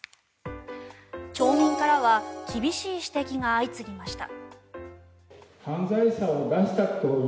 町民からは厳しい指摘が相次ぎました。